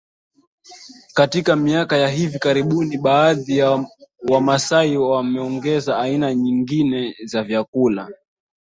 Katika miaka ya hivi karibuni baadhi ya wamasai wameongeza aina nyingine za vyakula